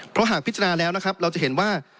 เพราะหากพิจารณาแล้วนะครับเราจะเห็นว่า